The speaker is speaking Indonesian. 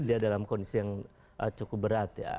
dia dalam kondisi yang cukup berat ya